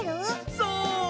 そう！